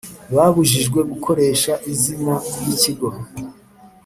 babujijwe gukoresha izina ry ikigo